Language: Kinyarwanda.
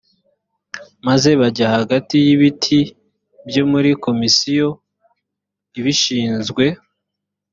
maze bajya hagati y ibiti byo muri komisiyo ibishinzwe